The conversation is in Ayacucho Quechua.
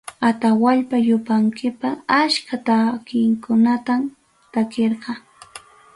Atawallpa Yupankipa achka takinkunatam takirqa.